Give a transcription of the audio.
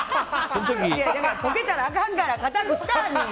溶けたらあかんから硬くしてはるのよ。